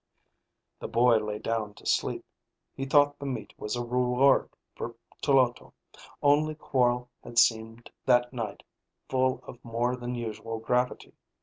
The boy lay down to sleep. He thought the meat was a reward for Tloto. Only Quorl had seemed that night full of more than usual gravity.